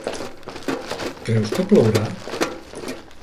Creus que plourà?